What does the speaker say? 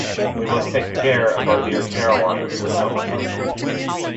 We must take care of our dear Caroline, Miss Summerson.